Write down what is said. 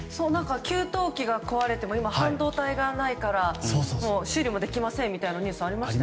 給湯器が壊れても半導体がないから修理もできませんみたいなニュースがありましたよね。